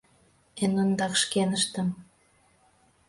Эн ондак шкеныштым.